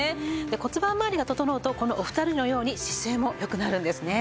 骨盤まわりが整うとこのお二人のように姿勢も良くなるんですね。